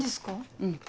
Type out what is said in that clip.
うん。